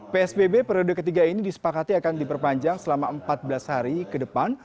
psbb periode ketiga ini disepakati akan diperpanjang selama empat belas hari ke depan